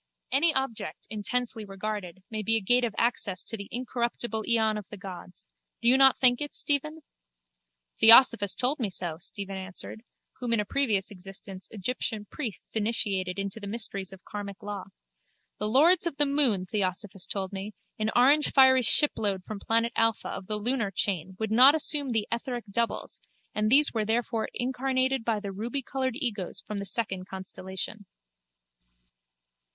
Any object, intensely regarded, may be a gate of access to the incorruptible eon of the gods. Do you not think it, Stephen? Theosophos told me so, Stephen answered, whom in a previous existence Egyptian priests initiated into the mysteries of karmic law. The lords of the moon, Theosophos told me, an orangefiery shipload from planet Alpha of the lunar chain would not assume the etheric doubles and these were therefore incarnated by the rubycoloured egos from the second constellation.